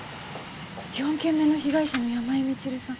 ４件目の被害者の山井満留さん